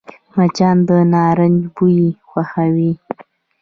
مچان د نارنج بوی خوښوي